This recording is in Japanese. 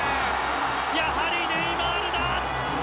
やはりネイマールだ！